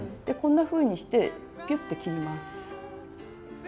こんなふうにしてピュッて切ります。